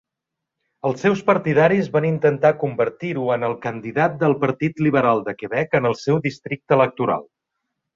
Els seus partidaris van intentar convertir-ho en el candidat del Partit Liberal de Quebec en el seu districte electoral.